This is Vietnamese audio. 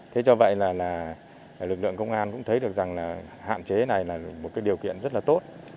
thế cho vậy là lực lượng công an cũng thấy được rằng là hạn chế này là một cái điều kiện rất là tốt